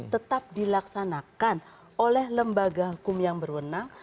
tetap dilaksanakan oleh lembaga hukum yang berwenang